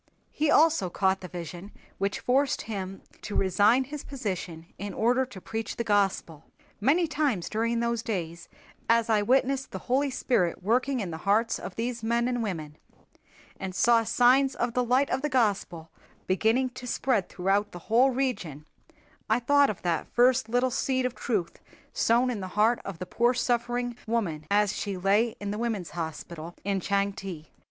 He also caught the vision which forced him to resign his position in order to preach the Gospel. Many times during those days as I witnessed the Holy Spirit working in the hearts of these men and women and saw signs of the light of the Gospel beginning to spread throughout that whole region I thought of that first little seed of truth sown in the heart of the poor suffering woman as she lay in the women's hospital in Changte.